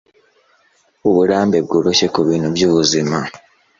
Uburambe bworoshye kubintu byubuzima